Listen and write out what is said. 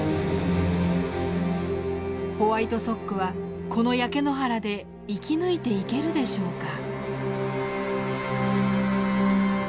ホワイトソックはこの焼け野原で生き抜いていけるでしょうか？